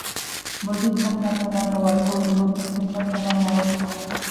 მოდი ჩემთან სანამ მოვა თოვლი მოდი ჩემთან სანამ მოვა სხვა